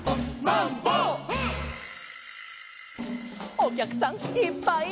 「おきゃくさんいっぱいや」